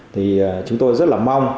thì chúng tôi rất là mong